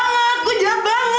ya jadi jam seperti ini